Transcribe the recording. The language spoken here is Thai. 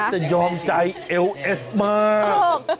แต่ยอมใจเอวเอสมาก